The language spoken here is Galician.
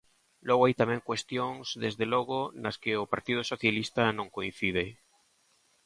Logo hai tamén cuestións desde logo nas que o Partido Socialista non coincide.